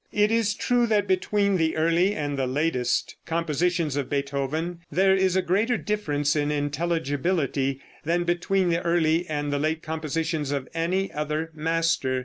It is true that between the early and the latest compositions of Beethoven there is a greater difference in intelligibility than between the early and the late compositions of any other master.